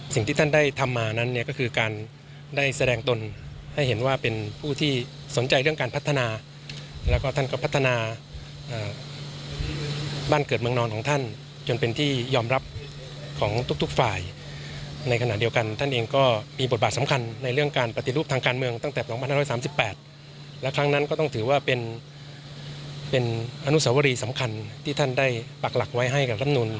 สิ่งที่ท่านได้ทำมานั้นเนี่ยก็คือการได้แสดงตนให้เห็นว่าเป็นผู้ที่สนใจเรื่องการพัฒนาแล้วก็ท่านก็พัฒนาบ้านเกิดเมืองนอนของท่านจนเป็นที่ยอมรับของทุกฝ่ายในขณะเดียวกันท่านเองก็มีบทบาทสำคัญในเรื่องการปฏิรูปทางการเมืองตั้งแต่๒๕๓๘และครั้งนั้นก็ต้องถือว่าเป็นอนุสวรีสำคัญที่ท่านได้ปักหลักไว้ให้กับลำนูน